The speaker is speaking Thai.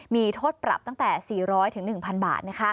มีโทษปรับตั้งแต่๔๐๐๑๐๐บาท